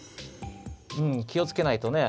うんきをつけないとね。